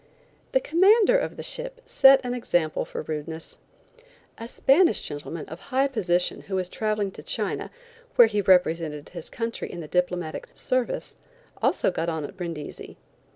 The commander of the ship set an example for rudeness. A Spanish gentleman of high position who was traveling to China, where he represented his country in the diplomatic service, also got on at Brindisi.